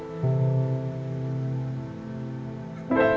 pagi pagi siapa yang dikutuk dan kenapa